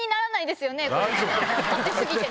⁉当て過ぎて。